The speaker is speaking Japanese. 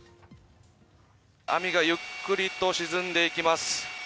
網がゆっくりと沈んでいきます。